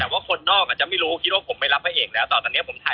แต่ว่าคนนอกอาจจะไม่รู้คิดว่าผมไม่รับพระเอกแล้วแต่ตอนนี้ผมถ่าย